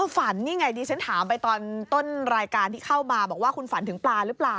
ฝันนี่ไงดิฉันถามไปตอนต้นรายการที่เข้ามาบอกว่าคุณฝันถึงปลาหรือเปล่า